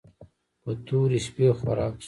په تورې شپې خوراک شو.